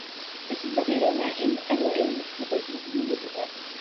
اسی ذخیرے میں ان اہل علم کی تحقیق بھی موجود ہے۔